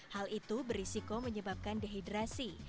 hal itu berisiko menyebabkan dehidrasi